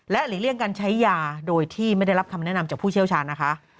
หลีกเลี่ยงการใช้ยาโดยที่ไม่ได้รับคำแนะนำจากผู้เชี่ยวชาญนะคะ